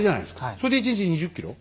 それで１日２０ｋｍ？